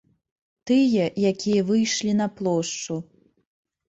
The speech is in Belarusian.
Тыя, якія выйшлі на плошчу.